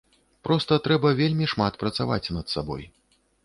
Проста трэба вельмі шмат працаваць над сабой.